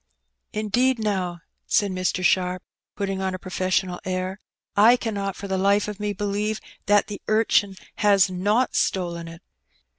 " Indeed, now, said Mr. Sharp, putting on a professional air, " I cannot for the Ufe of me believe that the urchin has not stolen it.